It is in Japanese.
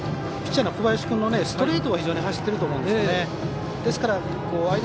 ピッチャーの小林君のストレートは非常に走ってると思うんです。